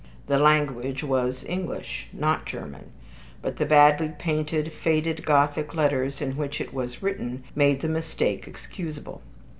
The language was English, not German; but the badly painted, faded Gothic letters in which it was written made the mistake excusable.